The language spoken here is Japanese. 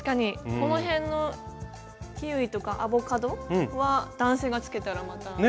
このへんのキウイとかアボカドは男性がつけたらまた。